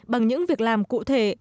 bằng những việc làm cụ thể